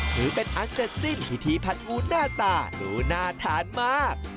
ถือเป็นอันเสร็จสิ้นพิธีผัดงูหน้าตาดูน่าทานมาก